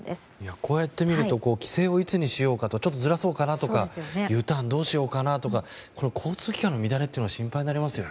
こうして見ると帰省をいつにしようかちょっとずらそうかなとかＵターンどうしようかなとか交通機関の乱れというのが心配になりますよね。